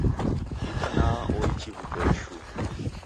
Itanaha oichi w'utoi shuu